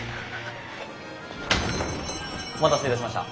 お待たせいたしました。